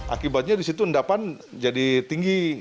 akibatnya di situ endapan jadi tinggi